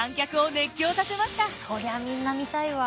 そりゃみんな見たいわ。